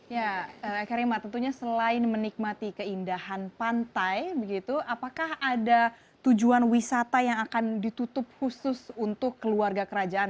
ya karima tentunya selain menikmati keindahan pantai begitu apakah ada tujuan wisata yang akan ditutup khusus untuk keluarga kerajaan